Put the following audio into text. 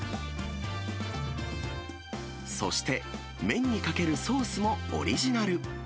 そして麺にかけるソースもオリジナル。